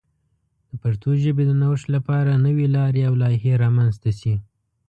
د پښتو ژبې د نوښت لپاره نوې لارې او لایحې رامنځته شي.